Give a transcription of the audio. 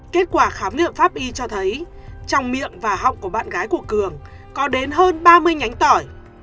kết quả khám nghiệm pháp y cho thấy trong miệng và họng của bạn gái của cường có đến hơn ba mươi nhánh tỏi